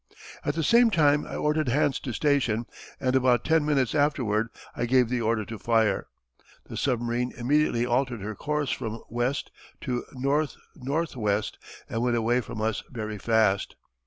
At the same time I ordered hands to station, and about ten minutes afterward I gave the order to fire. The submarine immediately altered her course from W. to N. N. W., and went away from us very fast.